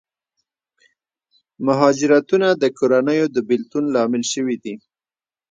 مهاجرتونه د کورنیو د بېلتون لامل شوي دي.